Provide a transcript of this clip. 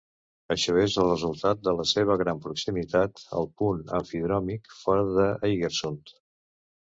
Això és el resultat de la seva gran proximitat al punt amfidròmic fora d'Eigersund.